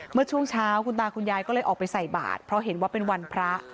เมื่อช่วงเช้าคุณตาคุณยายก็เลยออกไปใส่บาทเพราะเห็นว่าเป็นวันพระ